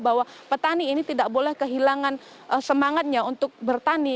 bahwa petani ini tidak boleh kehilangan semangatnya untuk bertani